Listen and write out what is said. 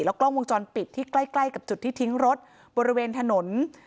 กล้องวงจรปิดที่ใกล้กับจุดที่ทิ้งรถบริเวณถนน